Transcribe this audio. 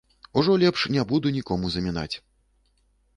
Ужо лепш не буду нікому замінаць.